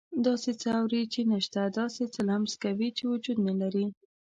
داسې څه اوري چې نه شته، داسې څه لمس کوي چې وجود نه لري.